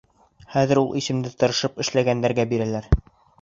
— Хәҙер ул исемде тырышып эшләгәндәргә бирәләр.